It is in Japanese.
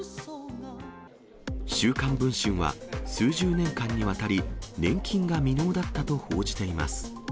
週刊文春は、数十年間にわたり年金が未納だったと報じています。